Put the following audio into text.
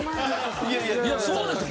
いやそうなんですよ。